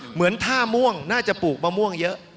เหมือนท่าม่วงน่าจะปลูกมะม่วงเยอะ